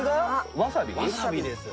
わさびです。